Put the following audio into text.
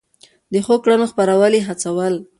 د ښو کړنو خپرول يې هڅول.